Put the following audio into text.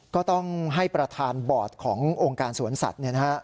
ก็ต้องให้ประธานบอร์ดขององค์การสวนสัตว์